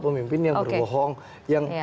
pemimpin yang berbohong yang